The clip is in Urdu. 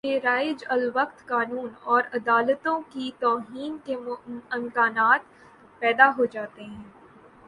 کہ رائج الوقت قانون اور عدالتوں کی توہین کے امکانات پیدا ہو جاتے ہیں